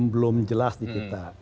belum jelas di kita